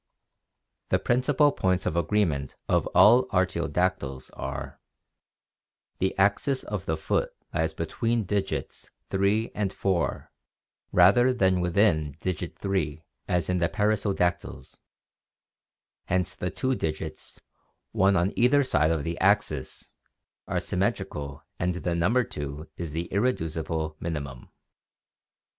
The principal points of agreement of all artiodactyls are: the axis of the foot lies between digits three and four rather than within digit three as in the perissodactyls; hence the two digits, one on either side of the axis, are symmetrical and the number two is the irreducible minimum.